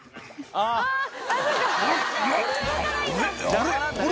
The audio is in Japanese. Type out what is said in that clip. あれ？